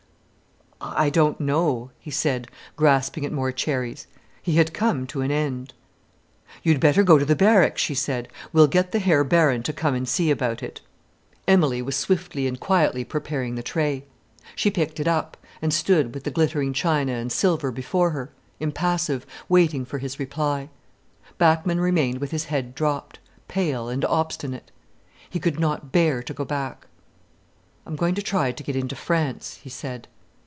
"I don't know," he said, grasping at more cherries. He had come to an end. "You'd better go to the barracks," she said. "We'll get the Herr Baron to come and see about it." Emilie was swiftly and quietly preparing the tray. She picked it up, and stood with the glittering china and silver before her, impassive, waiting for his reply. Bachmann remained with his head dropped, pale and obstinate. He could not bear to go back. "I'm going to try to get into France," he said.